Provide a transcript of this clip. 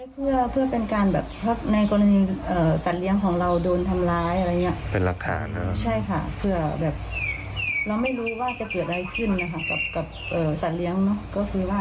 ก็คือที่เราทำได้ปกป้องสัตว์เลี้ยงของเรา